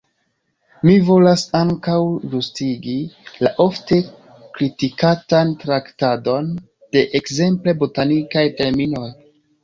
Mi volas ankaŭ ĝustigi la ofte kritikatan traktadon de ekzemple botanikaj terminoj.